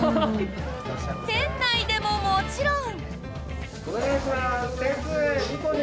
店内でももちろん。